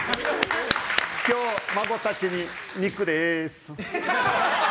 今日孫たちに肉です！